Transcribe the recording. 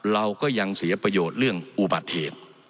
เราก็ยังเสียประโยชน์เรื่องอุบัติเหตุ